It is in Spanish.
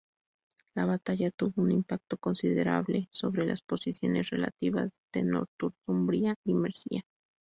La batalla tuvo un impacto considerable sobre las posiciones relativas de Northumbria y Mercia.